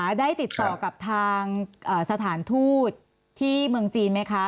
ได้ติดต่อกับทางสถานทูตที่เมืองจีนไหมคะ